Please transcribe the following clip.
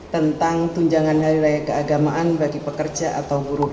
tentang tunjangan hari raya keagamaan bagi pekerja atau buruh